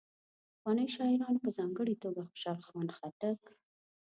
پخوانیو شاعرانو په ځانګړي توګه خوشال خان خټک.